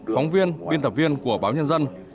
phóng viên biên tập viên của báo nhân dân